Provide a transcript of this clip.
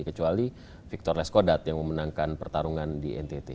kecuali victor leskodat yang memenangkan pertarungan di ntt